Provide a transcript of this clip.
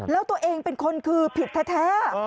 แล้วตัวเองเป็นคนคือผิดแท้